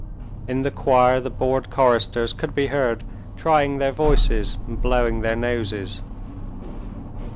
In the choir the bored choristers could be heard trying their voices and blowing their noses.